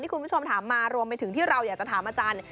คุณผู้ชมถามมารวมไปถึงที่เราอยากจะถามอาจารย์